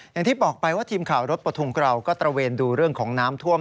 อย่างที่บอกไปว่าทีมข่าวรถประทุงเราก็ตระเวนดูเรื่องของน้ำท่วม